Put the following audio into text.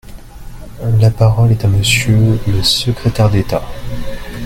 La parole est à Monsieur le secrétaire d’État.